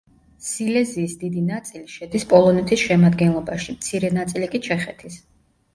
სილეზიის დიდი ნაწილი შედის პოლონეთის შემადგენლობაში, მცირე ნაწილი კი ჩეხეთის.